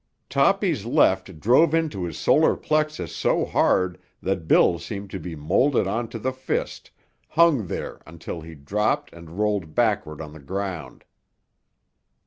Toppy's left drove into his solar plexus so hard that Bill seemed to be moulded on to the fist, hung there until he dropped and rolled backward on the ground.